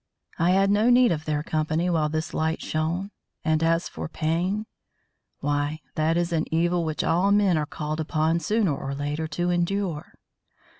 I had no need of their company while this light shone; and as for pain why, that is an evil which all men are called upon sooner or later to endure.